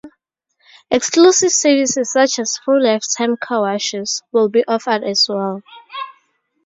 Exclusive services, such as free lifetime car washes, will be offered as well.